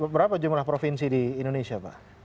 berapa jumlah provinsi di indonesia pak